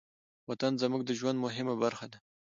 وطن زموږ د ژوند مهمه برخه ده.